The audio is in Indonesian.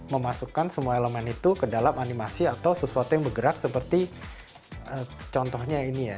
memasukkan semua elemen itu ke dalam animasi atau sesuatu yang bergerak seperti contohnya ini ya